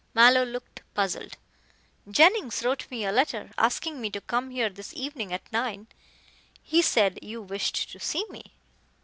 Mallow looked puzzled. "Jennings wrote me a letter, asking me to come here this evening at nine. He said you wished to see me."